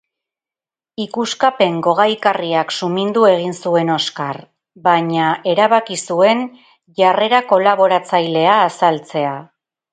Ikuskapen gogaikarriak sumindu egin zuen Oskar, baina erabaki zuen jarrera kolaboratzailea azaltzea.